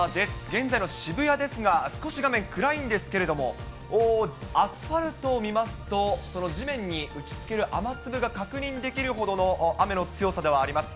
現在の渋谷ですが、少し画面、暗いんですけれども、アスファルトを見ますと、その地面に打ちつける雨粒が確認できるほどの雨の強さではあります。